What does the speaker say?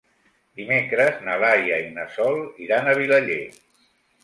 Dimecres na Laia i na Sol iran a Vilaller.